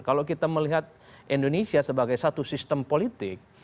kalau kita melihat indonesia sebagai satu sistem politik